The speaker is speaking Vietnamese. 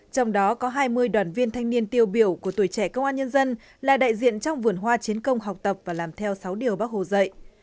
trong đó có hai mươi đoàn viên thanh niên tiêu biểu của tuổi trẻ công an nhân dân là đại diện trong vườn hoa chiến công học tập và làm theo sáu điều bác hồ dạy